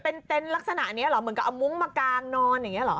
เป็นเต็นต์ลักษณะนี้เหรอเหมือนกับเอามุ้งมากางนอนอย่างนี้เหรอ